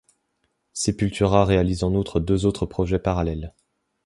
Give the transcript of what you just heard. Sepultura réalise en outre deux autres projets parallèles.